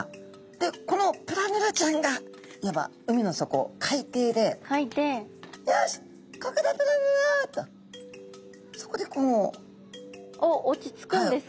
でこのプラヌラちゃんがいわば海の底海底で「よしここだプラヌラ」とそこでこう。おっ落ち着くんですか？